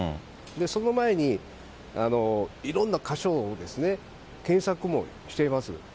その前に、いろんな箇所をですね、検索もしてます。